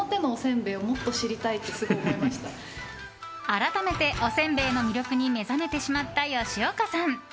改めて、おせんべいの魅力に目覚めてしまった吉岡さん。